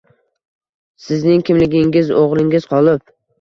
Sizning kimligingiz o‘g‘lingiz qolib